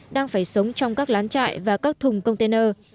đang phải sống trong các lán trại và các thùng container